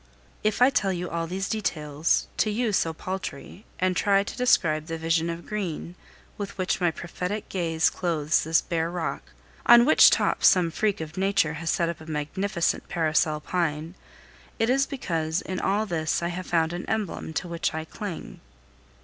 If I tell you all these details, to you so paltry, and try to describe the vision of green with which my prophetic gaze clothes this bare rock on which top some freak of nature has set up a magnificent parasol pine it is because in all this I have found an emblem to which I cling.